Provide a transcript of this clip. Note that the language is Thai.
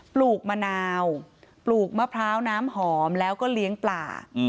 ปลูกมะนาวปลูกมะพร้าวน้ำหอมแล้วก็เลี้ยงปลา